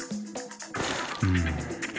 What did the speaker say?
うん。